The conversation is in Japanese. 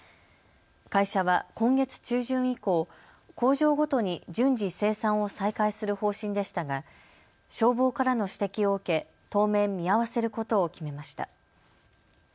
会社は今月中旬以降、工場ごとに順次、生産を再開する方針でしたが消防からの指摘を受け当面、見合わせることを決めました。